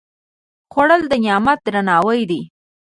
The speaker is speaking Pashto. خوړل د نعمت درناوی دی